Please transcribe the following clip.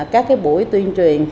các buổi tuyên truyền